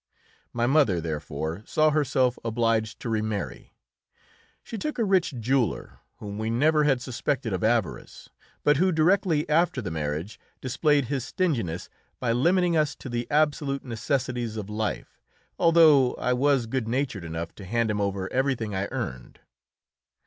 My mother, therefore, saw herself obliged to remarry. She took a rich jeweller, whom we never had suspected of avarice, but who directly after the marriage displayed his stinginess by limiting us to the absolute necessities of life, although I was good natured enough to hand him over everything I earned.